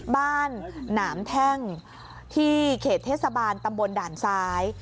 หนามแท่งที่เขตเทศบาลตำบลด่านซ้าย